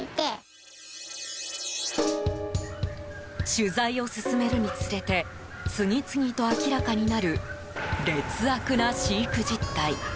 取材を進めるにつれて次々と明らかになる劣悪な飼育実態。